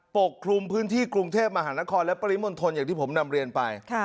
ปกคลุมพื้นที่กรุงเทพมหานครและปริมณฑลอย่างที่ผมนำเรียนไป